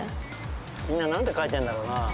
みんななんて書いてるんだろうな？